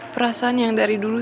perasaan yang dari dulu